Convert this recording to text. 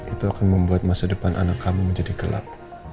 itu akan membuat masa depan anak kamu menjadi gelap